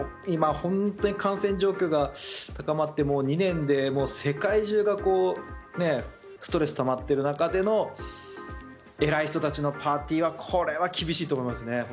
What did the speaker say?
今、本当に感染状況が高まって２年で世界中がストレスたまっている中での偉い人たちのパーティーはこれは厳しいと思いますね。